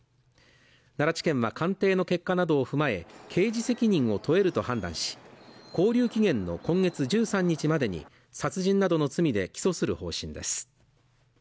奈良地検は鑑定の結果などを踏まえ、刑事責任を問えると判断し勾留期限の今月１３日までに殺人などの罪で起訴する方針です。